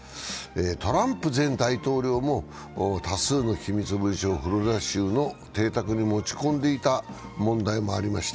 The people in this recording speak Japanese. トランプ前大統領も多数の機密文書をフロリダ州の邸宅に持ち込んでいた問題もありました。